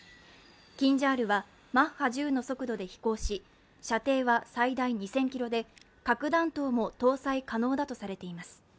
キンジャールはマッハ１０の速度で飛行し、射程は最大２０００ｋｍで核弾頭も搭載可能だとされています。